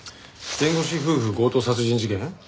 「弁護士夫婦強盗殺人事件」？